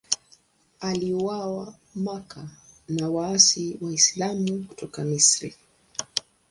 Aliuawa Makka na waasi Waislamu kutoka Misri.